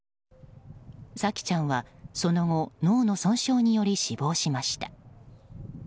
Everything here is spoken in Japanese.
沙季ちゃんはその後脳の損傷により死亡しました。